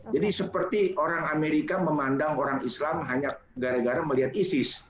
jadi seperti orang amerika memandang orang islam hanya gara gara melihat isis